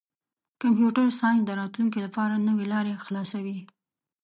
کمپیوټر ساینس د راتلونکي لپاره نوې لارې خلاصوي.